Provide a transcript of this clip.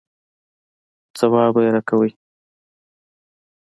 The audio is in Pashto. ځواب به یې راکوئ.